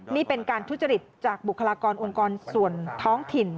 นี่เป็นการทุจริตจากบุคลากรองค์กรส่วนท้องถิ่น